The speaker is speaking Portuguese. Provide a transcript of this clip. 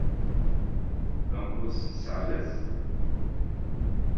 Campos Sales